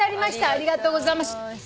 ありがとうございます。